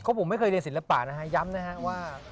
เพราะผมไม่เคยเรียนศิลปะนะฮะย้ำนะฮะว่า